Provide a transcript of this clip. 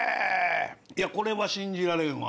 いやこれは信じられんわ。